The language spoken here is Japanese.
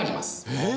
えっ！